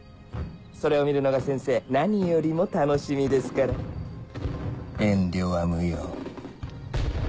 それを見るのが先生何よりも楽しみですから遠慮は無用ドンと来なさい